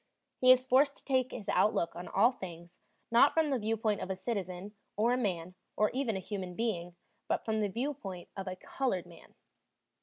He is forced to take his outlook on all things, not from the viewpoint of a citizen, or a man, or even a human being, but from the viewpoint of a colored man.